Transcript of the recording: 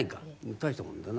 大したもんだな。